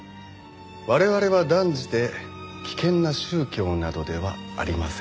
我々は断じて危険な宗教などではありません。